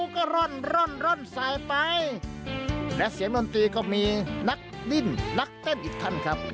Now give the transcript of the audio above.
ก็ร่อนร่อนร่อนสายไปและเสียงดนตรีก็มีนักดิ้นนักเต้นอีกท่านครับ